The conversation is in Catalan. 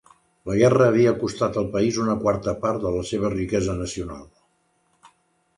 La guerra havia costat al país una quarta part de la seva riquesa nacional.